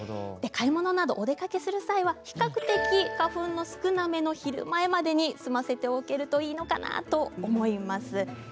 買い物などお出かけする際は比較的花粉の少なめの昼前までに済ませておけるといいのかなと思います。